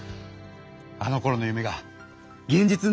あのころの夢が現実になるんだ！